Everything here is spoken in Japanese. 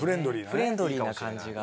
フレンドリーな感じが。